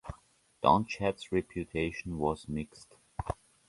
Donnchad's reputation was mixed.